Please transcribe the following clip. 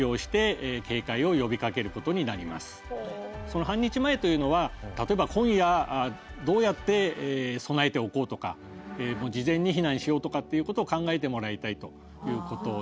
その半日前というのは例えば今夜どうやって備えておこうとか事前に避難しようとかっていうことを考えてもらいたいということなんですね。